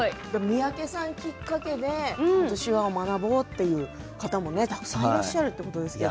三宅さんきっかけで手話を学ぼうっていう方もたくさんいらっしゃるということですね。